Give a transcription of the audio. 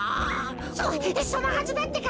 そそのはずだってか！